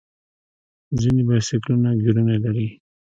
ځینې بایسکلونه ګیرونه لري.